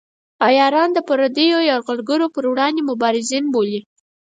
عیاران د پردیو یرغلګرو پر وړاندې مبارزین بولي.